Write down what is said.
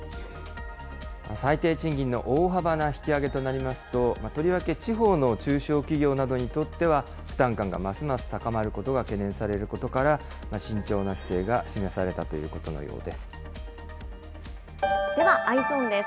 最低賃金の大幅な引き上げとなりますと、とりわけ地方の中小企業などにとっては負担感がますます高まることが懸念されることから、慎重な姿勢が示されたということのようではＥｙｅｓｏｎです。